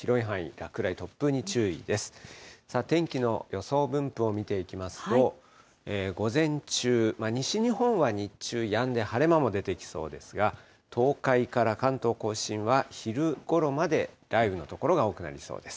天気の予想分布を見ていきますと、午前中、西日本は日中やんで晴れ間も出てきそうですが、東海から関東甲信は、昼ごろまで雷雨の所が多くなりそうです。